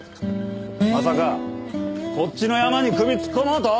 まさかこっちのヤマに首突っ込もうと？